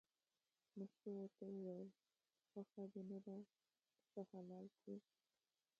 مستو ورته وویل خوښه دې نه ده پسه حلال کړو.